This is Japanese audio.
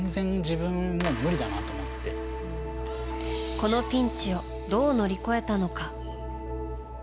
このピンチをどう乗り越えたのか。